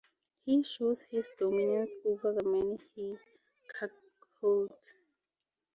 He shows his dominance over the men he cuckolds.